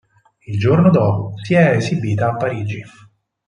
Il giorno dopo si è esibita a Parigi.